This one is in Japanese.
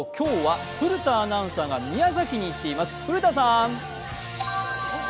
古田アナウンサーが宮崎に行っています。